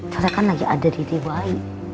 soalnya kan lagi ada diri gue